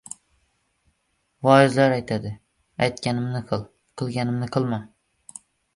• Voizlar aytadi: aytganimni qil, qilganimni qilma.